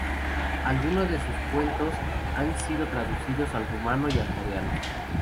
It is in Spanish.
Algunos de sus cuentos han sido traducidos al rumano y al coreano.